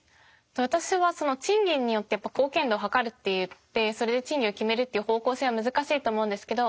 私はその賃金によって貢献度をはかるっていってそれで賃金を決めるっていう方向性は難しいと思うんですけど。